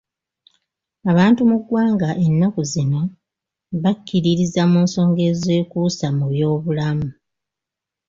Abantu mu ggwanga ennaku zino bakkiririza mu nsonga ezeekuusa ku by'obulamu.